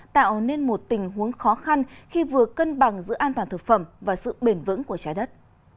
tạo nên một tình huống khó khăn khi vừa cân bằng giữa an toàn thực phẩm và sự bền vững của trái đất